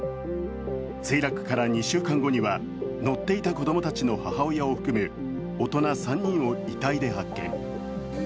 墜落から２週間後には乗っていた子供たちの母親を含む大人３人を遺体で発見。